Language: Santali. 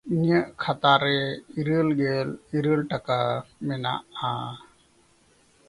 ᱤᱧᱟᱜ ᱠᱷᱟᱛᱟ ᱨᱮ ᱤᱨᱟᱹᱞᱜᱮᱞ ᱤᱨᱟᱹᱞ ᱴᱟᱠᱟ ᱢᱮᱱᱟᱜᱼᱟ᱾